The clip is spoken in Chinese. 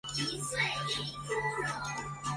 阿敏的六弟是济尔哈朗。